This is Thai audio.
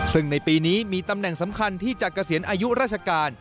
ซึ่งในปีนี้มีตำแหน่งสำคัญที่จะเกษียณอายุราชการ